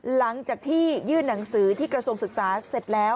หลังจากที่ยื่นหนังสือที่กระทรวงศึกษาเสร็จแล้ว